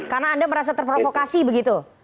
karena anda merasa terprovokasi begitu